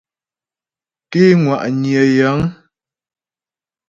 Ké ŋwà'nyə̀ yəŋ.